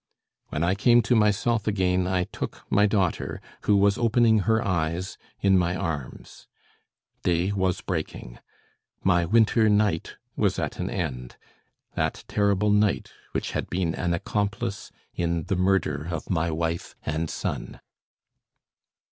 When I came to myself again, I took my daughter, who was opening her eyes, in my arms. Day was breaking. My winter night was at an end, that terrible night which had been an accomplice in the murder of my wife and son.